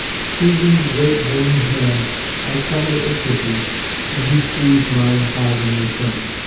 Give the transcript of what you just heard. Seizing the great veiny hand, I covered it with kisses, and he squeezed mine hard in return.